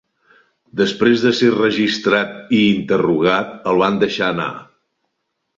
Després de ser registrat i interrogat, el van deixar anar.